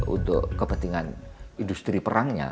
untuk kepentingan industri perangnya